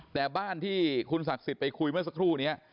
แต่บ้านที่คุณศักดิ์สิทธิ์ไปคุยเมื่อสักครู่นี้